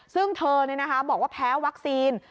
ซึ่งเธอบอกว่าแพ้วัคซีน